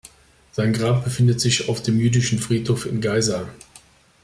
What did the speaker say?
Sein Grab befindet sich auf dem jüdischen Friedhof in Geisa.